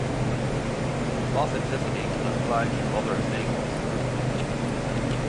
Authenticity can apply to other things.